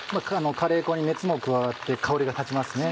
カレー粉に熱も加わって香りが立ちますね。